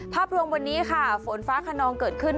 ภาพรวมวันนี้ค่ะฝนฟ้าขนองเกิดขึ้น